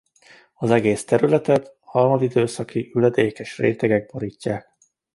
Az egész területet harmadidőszaki üledékes rétegek borítják.